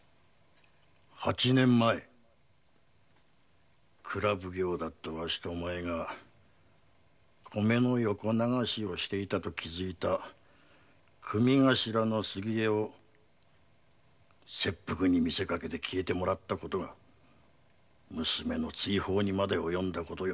八年前蔵奉行だったワシとお前が米の横流しをしていたと気づいた組頭の杉江を切腹に見せかけ消えてもらった事が娘の追放にまで及んだ事よ。